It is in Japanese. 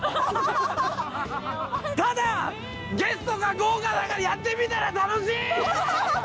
ただゲストが豪華だからやってみたら楽しい！